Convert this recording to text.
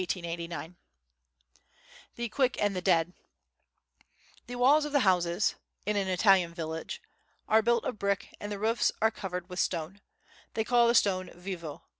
] The Quick and the Dead The walls of the houses [in an Italian village] are built of brick and the roofs are covered with stone. They call the stone "vivo."